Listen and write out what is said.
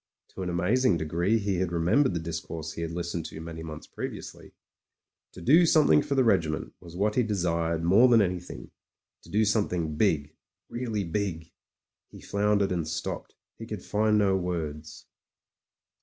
To an amazing degree he had remembered the discourse he had listened to many months previ ously; to do something for the regiment was what he desired more than anything — ^to do scmiething big, really big. He floundered and stopped; he could find no words.